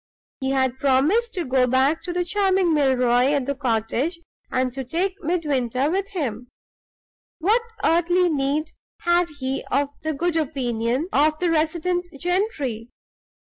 He had promised to go back to the charming Milroy at the cottage and to take Midwinter with him. What earthly need had he of the good opinion of the resident gentry?